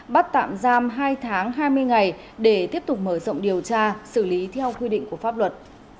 bắt tạm giam hai tháng hai mươi ngày để tiếp tục mở rộng điều tra xử lý theo quy định của pháp luật